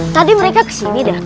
tadi mereka ke sini dut